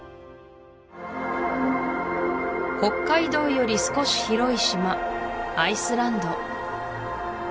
北海道より少し広い島アイスランド